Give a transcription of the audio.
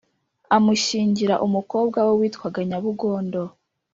amushyingira umukobwa we witwaga nyabugondo.